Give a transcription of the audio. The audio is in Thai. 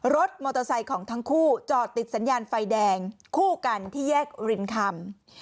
รถมอเตอร์ไซค์ของทั้งคู่จอดติดสัญญาณไฟแดงคู่กันที่แยกรินคำ